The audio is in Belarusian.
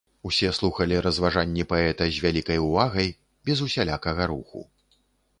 Усе слухалі разважанні паэта з вялікай увагай, без усялякага руху.